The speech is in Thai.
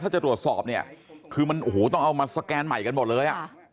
ถ้าจะรวสอบคือมันต้องเอามาแสนใหม่กันหมดเลย